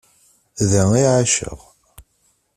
Da i εaceɣ.